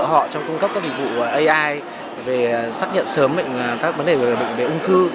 họ trong cung cấp các dịch vụ ai về xác nhận sớm các vấn đề về ung thư